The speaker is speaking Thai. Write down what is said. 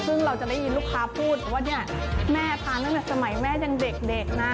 ซึ่งเราจะได้ยินลูกค้าพูดว่าเนี่ยแม่ทานตั้งแต่สมัยแม่ยังเด็กนะ